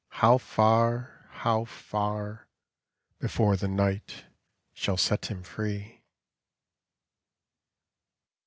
How far, how tar. Before the night shall set him free